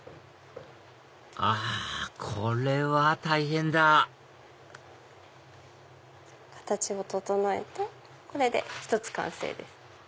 あこれは大変だ形を整えて１つ完成です。